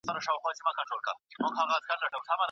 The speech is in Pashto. تاسو کولای شئ چې د نعناع له وچو پاڼو څخه خوندور چای جوړ کړئ.